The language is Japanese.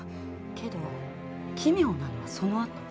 けど奇妙なのはそのあと